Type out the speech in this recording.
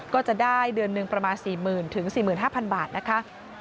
ก็จะได้เดือนหนึ่งประมาณ๔๐๐๐๔๕๐๐บาทนะคะ